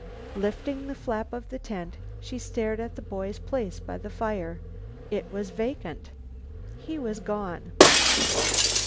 Lifting the flap of the tent, she stared at the boy's place by the fire. It was vacant. He was gone!